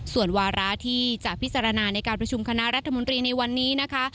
ส่วนวาระที่จะพิจารณาในการประชุมคณะรัฐมนตรีในวันนี้นะคะ